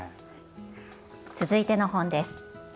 続いての本です。